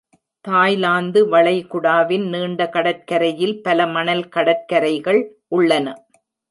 Thailand வளைகுடாவின் நீண்ட கடற்கரையில் பல மணல் கடற்கரைகள் உள்ளன.